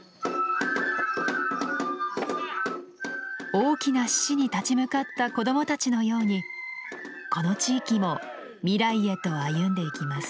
大きな獅子に立ち向かった子供たちのようにこの地域も未来へと歩んでいきます。